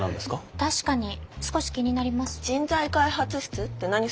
確かに少し気になります。